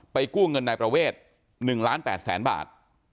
ไปกู้เงินนายประเวท๑๘๐๐๐๐๐บาท